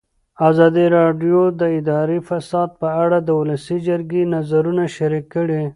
ازادي راډیو د اداري فساد په اړه د ولسي جرګې نظرونه شریک کړي.